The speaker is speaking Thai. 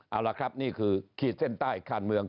เอาล่ะครับนี่คือขีดเส้นใต้คานเมือง